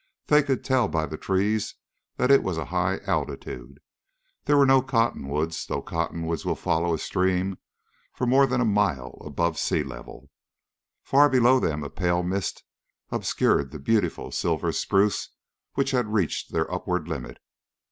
They could tell by the trees that it was a high altitude. There were no cottonwoods, though the cottonwoods will follow a stream for more than a mile above sea level. Far below them a pale mist obscured the beautiful silver spruce which had reached their upward limit.